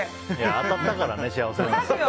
当たったからね、幸せなんだよ。